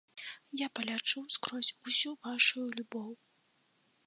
Я палячу скрозь усю вашую любоў.